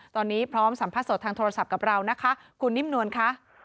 ตอนนี้พร้อมสัมภาษสดทางโทรศัพท์กับเรานะคะคุณนิ่มนวลค่ะ